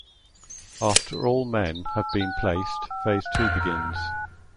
After all men have been placed, phase two begins.